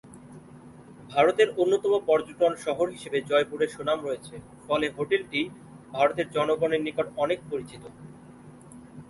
ভারতের অন্যতম পর্যটন শহর হিসাবে জয়পুরের সুনাম রয়েছে ফলে হোটেলটি ভারতের জনগনের নিকট অনেক পরিচিত।